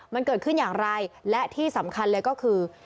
มันเกิดขึ้นอย่างไรและที่สำคัญเลยก็คือ